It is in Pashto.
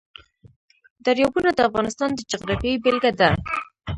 دریابونه د افغانستان د جغرافیې بېلګه ده.